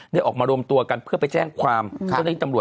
ออกมารวมตัวกันเพื่อไปแจ้งความเจ้าหน้าที่ตำรวจ